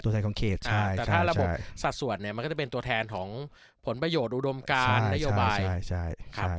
เขตใช่แต่ถ้าระบบสัดส่วนเนี่ยมันก็จะเป็นตัวแทนของผลประโยชน์อุดมการนโยบายครับ